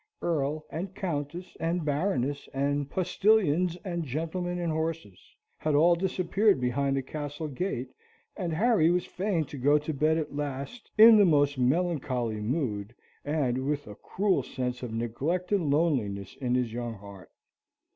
Earl, and Countess, and Baroness, and postillions, and gentlemen, and horses, had all disappeared behind the castle gate, and Harry was fain to go to bed at last, in the most melancholy mood and with a cruel sense of neglect and loneliness in his young heart.